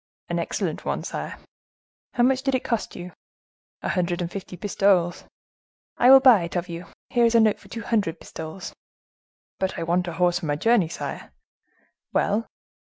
"An excellent one, sire." "How much did it cost you?" "A hundred and fifty pistoles." "I will buy it of you. Here is a note for two hundred pistoles." "But I want a horse for my journey, sire." "Well!"